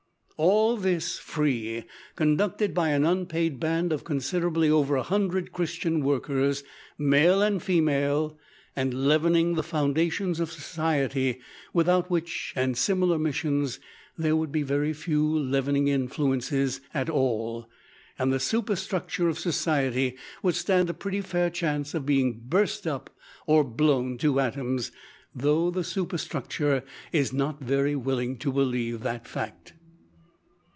All this free conducted by an unpaid band of considerably over a hundred Christian workers, male and female and leavening the foundations of society, without which, and similar missions, there would be very few leavening influences at all, and the superstructure of society would stand a pretty fair chance of being burst up or blown to atoms though the superstructure is not very willing to believe the fact!